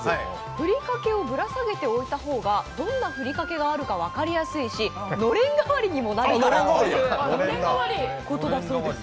ふりかけをぶら下げておいた方が、どんなふりかけがあるのか分かりやすいし、のれん代わりにもなるからだということだそうです。